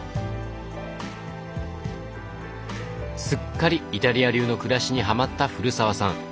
すっかりイタリア流の暮らしにはまった古澤さん。